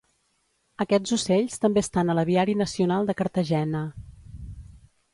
Aquests ocells també estan a l'Aviari Nacional de Cartagena.